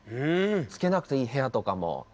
つけなくていい部屋とかも。